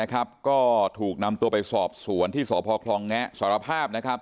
ก็ถูกนำตัวไปสอบสวนที่สพคลองแงะสารภาพ